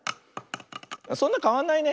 そんなかわんないね。